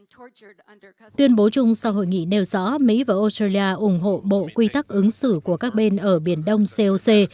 tuyên bố chung sau hội nghị nêu rõ mỹ và australia ủng hộ bộ quy tắc ứng xử của các bên ở biển đông coc